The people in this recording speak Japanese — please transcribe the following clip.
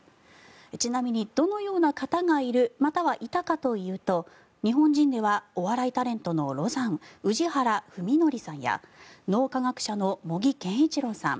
ちなみにどのような方がいるまたはいたかというと日本人ではお笑いタレントのロザン宇治原史規さんや脳科学者の茂木健一郎さん